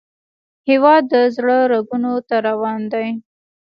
هیواد د زړه رګونو ته روان دی